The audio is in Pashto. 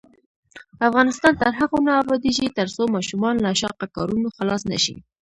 افغانستان تر هغو نه ابادیږي، ترڅو ماشومان له شاقه کارونو خلاص نشي.